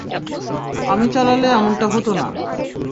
আমি চালালে এমনটা হতো না।